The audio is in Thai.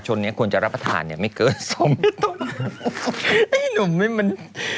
จะรับประทานไม่เกินสองเมตรต่อวัน